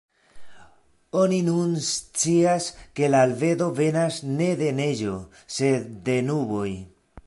Oni nun scias ke la albedo venas ne de neĝo sed de nuboj.